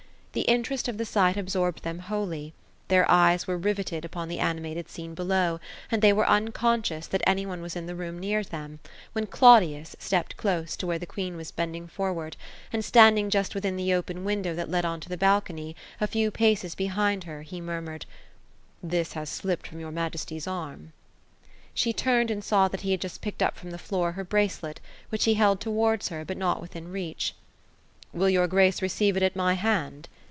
The interest of the sight absorbed them wholly ; their eyes were riveted upon the animated scene below, and they were unconscious that any one was in the room near to them, when Claudius stepped close to where the queen was bending forward ; and, standing just within the open window that led on to the balcony, a Tew paces behind her, he murmured :—^ This hath slipped from your majesty's arm." She turned, and saw that he had just picked up from the floor, her bracelet, which he held towards her, but not within reach. " Will your grace receive it at my hand